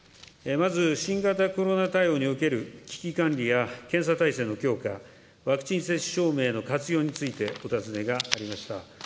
まず新型コロナ対応における危機管理や検査体制の強化、ワクチン接種証明の活用についてお尋ねがありました。